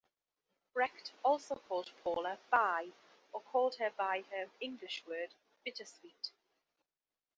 Brecht also called Paula "Bi" or called her by the English word "Bittersweet".